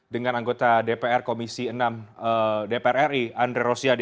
dengan anggota dpr komisi enam dpr ri andre rosiade